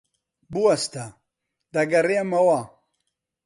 بوەستە. دەگەڕێمەوە.